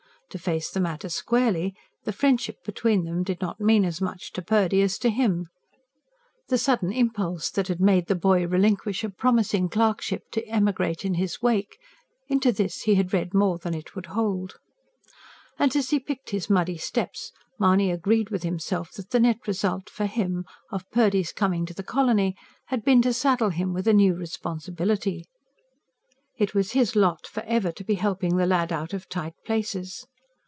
To face the matter squarely: the friendship between them did not mean as much to Purdy as to him; the sudden impulse that had made the boy relinquish a promising clerkship to emigrate in his wake into this he had read more than it would hold. And, as he picked his muddy steps, Mahony agreed with himself that the net result, for him, of Purdy's coming to the colony, had been to saddle him with a new responsibility. It was his lot for ever to be helping the lad out of tight places.